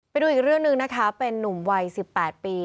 ไปดูอีกเรื่องหนึ่งนะคะเป็นนุ่มวัย๑๘ปี